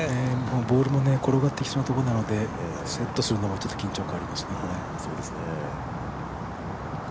ボールも転がっていきそうなところなのでセットするのもちょっと緊張感がありますよね、これ。